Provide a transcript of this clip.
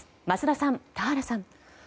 桝田さん、田原さん。